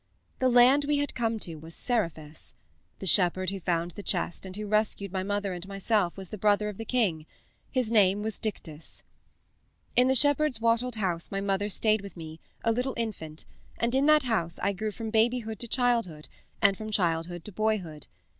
The land we had come to was Seriphus. The shepherd who found the chest and who rescued my mother and myself was the brother of the king. His name was Dictys. "In the shepherd's wattled house my mother stayed with me, a little infant, and in that house I grew from babyhood to childhood, and from childhood to boyhood.